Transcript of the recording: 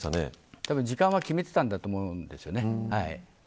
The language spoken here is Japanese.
たぶん時間は決めてたんだと思うんです。